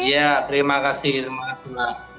iya terima kasih terima kasih